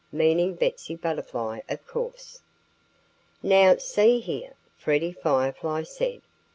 meaning Betsy Butterfly, of course. "Now, see here!" Freddie Firefly said.